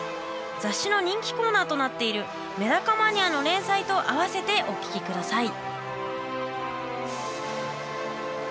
雑誌の人気コーナーとなっているメダカマニアの連載とあわせてお聴き下さい。